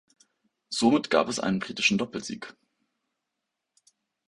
Somit gab es einen britischen Doppelsieg.